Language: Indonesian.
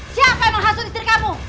siapa yang menghasut istri kamu